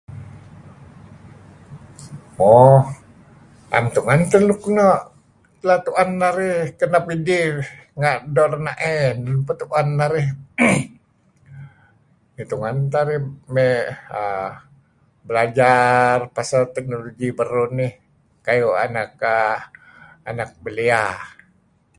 Moq, am tungan tah luk nuh lah tu'an narih, kinap idih, angah do ranae pah tu'an narih ngi tuan tah rih may[aah]belajar pasal technologi baruh nih kayuh anak[aah]anak belia..